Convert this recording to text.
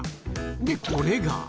で、これが。